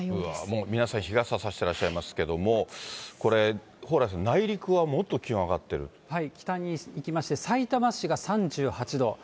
もう皆さん、日傘差していらっしゃいますけれども、これ、蓬莱さん、内陸はも北に行きまして、さいたま市が３８度。